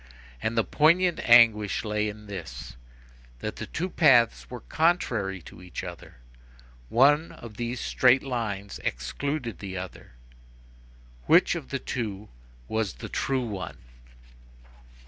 And, the poignant anguish lay in this, that the two paths were contrary to each other. One of these straight lines excluded the other. Which of the two was the true one?